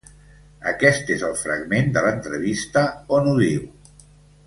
Aquest és el fragment de l’entrevista on ho diu.